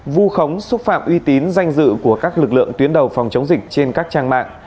vu khống xúc phạm uy tín danh dự của các lực lượng tuyến đầu phòng chống dịch trên các trang mạng